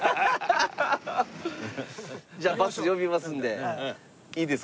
じゃあバス呼びますんでいいですか？